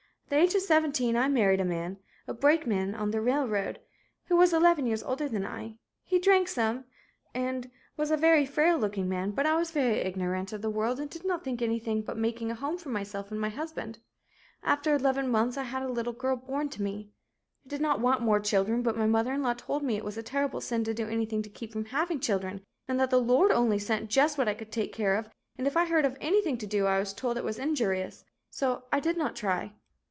At the age of seventeen I married a man, a brakeman on the Railroad, who was eleven years older than I. He drank some and was a very frail looking man, but I was very ignorant of the world and did not think of anything but making a home for myself and husband. After eleven months I had a little girl born to me. I did not want more children, but my mother in law told me it was a terrible sin to do anything to keep from having children and that the Lord only sent just what I could take care of and if I heard of anything to do I was told it was injurious, so I did not try.